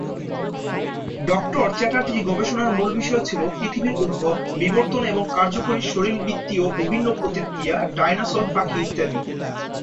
Doctor Chatterjee গবেষণার মূল বিষয় ছিল পৃথিবীর উদ্ভব, বিবর্তন এবং কার্যকরী শারীরবৃত্তীয় বিভিন্ন প্রক্রিয়া, ডাইনোসর, পাখি ইত্যাদি।